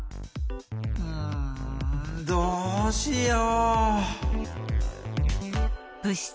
うんどうしよう？